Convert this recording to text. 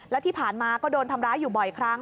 และที่ผ่านมาก็โดนทำร้ายอยู่บ่อยครั้ง